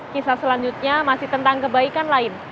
kisah selanjutnya masih tentang kebaikan lain